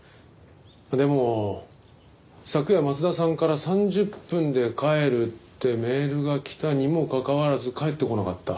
でも昨夜松田さんから「３０分で帰る」ってメールが来たにもかかわらず帰ってこなかった。